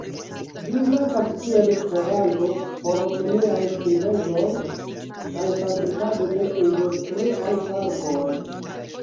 Ĝi uzatas kiel peranto por kemiaj sintezoj kaj fabrikado de industriaj farboj.